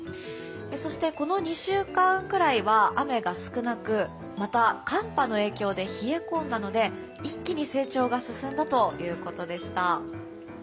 そして、この２週間ぐらいは雨が少なくまた、寒波の影響で冷え込んだので一気に成長が進んだということでした。